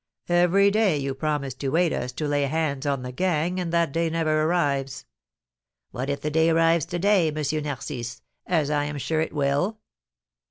Every day you promise to aid us to lay hands on the gang, and that day never arrives." "What if the day arrives to day, M. Narcisse, as I am sure it will?